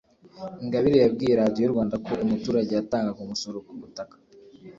Ingabire yabwiye Radiyo Rwanda ko umuturage yatangaga umusoro ku butaka